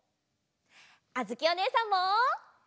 あづきおねえさんも。